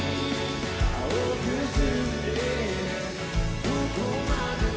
「青く澄んでどこまでも」